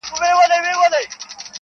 دا زه څومره بېخبره وم له خدایه-